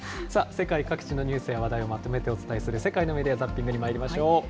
世界各地のニュースや話題をまとめてお伝えする、世界のメディア・ザッピングにまいりましょう。